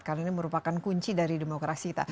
karena ini merupakan kunci dari demokrasi kita